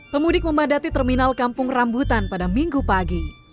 pemudik memadati terminal kampung rambutan pada minggu pagi